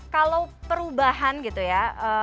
kalau perubahan gitu ya